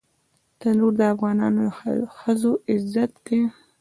تنور د افغانو ښځو عزت دی